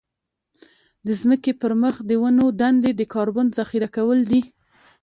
د ځمکې پر مخ د ونو دندې د کاربن ذخيره کول دي.